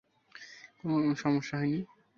কোনো সমস্যা হয়নি।